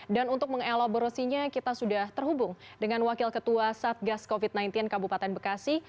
dan untuk mengelaburusinya kita sudah terhubung dengan wakil ketua satgas covid sembilan belas kabupaten bekasi